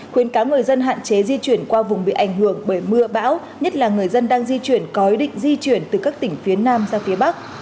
khuyến cáo người dân hạn chế di chuyển qua vùng bị ảnh hưởng bởi mưa bão nhất là người dân đang di chuyển có ý định di chuyển từ các tỉnh phía nam ra phía bắc